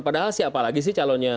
padahal siapa lagi sih calonnya